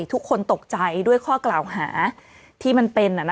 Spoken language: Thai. ทุกคนตกใจด้วยข้อกล่าวหาที่มันเป็น